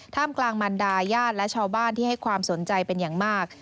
กำลังมันดาญาติและชาวบ้านที่ให้ความสนใจเป็นอย่างมาก